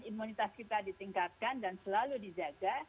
imunitas kita ditingkatkan dan selalu dijaga